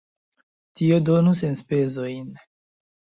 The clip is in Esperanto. Tio donus enspezojn.